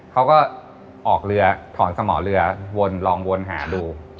เขาก็ออกเรือถอนสมอเรือวนลองวนหาดู